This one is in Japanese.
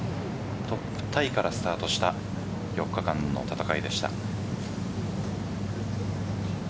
トップタイからスタートした４日間の戦いでした。